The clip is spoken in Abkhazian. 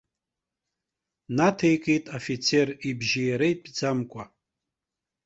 Наҭеикит афицер, ибжьы иара итәӡамкәа.